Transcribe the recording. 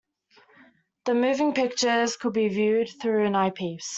The moving pictures could be viewed through an eyepiece.